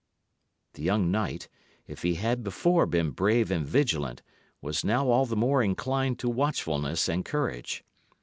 The young knight, if he had before been brave and vigilant, was now all the more inclined to watchfulness and courage.